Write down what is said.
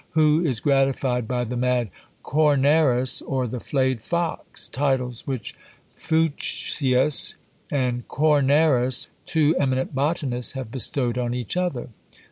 Who is gratified by "the mad Cornarus," or "the flayed Fox?" titles which Fuchsius and Cornarus, two eminent botanists, have bestowed on each other.